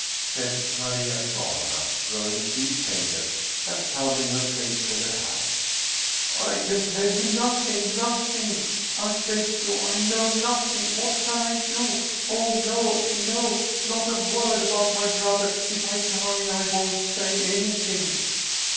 said Maria Ivanovna, growing still paler, and covering her face with her hands. " I can tell you nothing. Nothing! I beg you! I know nothing What can I do? Oh, no! no! not a word about my brother ! If I die, I won't say anything